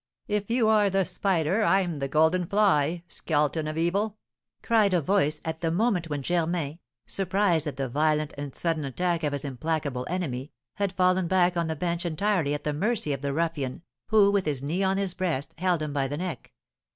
"If you are the spider, I'm the golden fly, Skeleton of evil," cried a voice, at the moment when Germain, surprised at the violent and sudden attack of his implacable enemy, had fallen back on the bench entirely at the mercy of the ruffian, who, with his knee on his breast, held him by the neck.